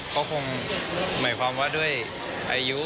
ก็คงหมายความว่าด้วยอายุ